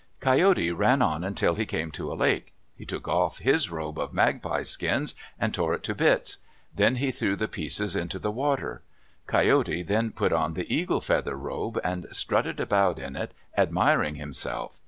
Coyote ran on until he came to a lake. He took off his robe of magpie skins and tore it to bits. Then he threw the pieces into the water. Coyote then put on the eagle feather robe and strutted about in it, admiring himself.